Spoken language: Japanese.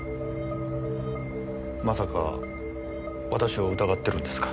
まさか私を疑ってるんですか？